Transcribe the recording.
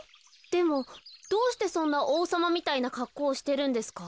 でもどうしてそんなおうさまみたいなかっこうをしてるんですか？